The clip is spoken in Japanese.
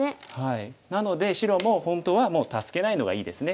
なので白も本当はもう助けないのがいいですね。